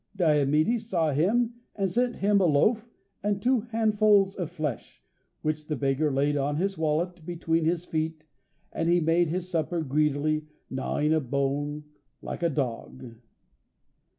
Diomede saw him, and sent him a loaf and two handfuls of flesh, which the beggar laid on his wallet, between his feet, and he made his supper greedily, gnawing a bone like a dog.